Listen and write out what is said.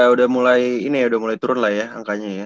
udah mulai ini ya udah mulai turun lah ya angkanya ya